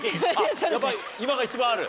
やっぱり今が一番ある？